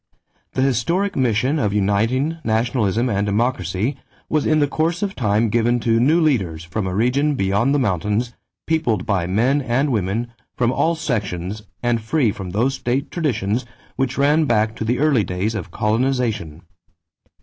The historic mission of uniting nationalism and democracy was in the course of time given to new leaders from a region beyond the mountains, peopled by men and women from all sections and free from those state traditions which ran back to the early days of colonization.